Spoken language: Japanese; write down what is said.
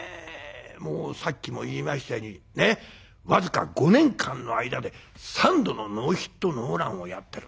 さっきも言いましたように僅か５年間の間で３度のノーヒットノーランをやってる。